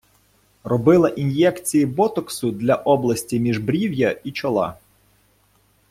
Робила ін'єкції ботоксу для області міжбрів'я і чола.